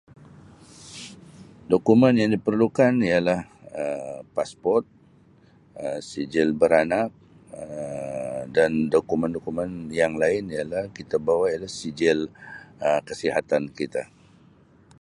Dokumen yang diperlukan ialah Um pasport, Um sijil beranak, Um dan dokumen-dokumen yang lain ialah kita bawa ialah sijil Um kesihatan kita.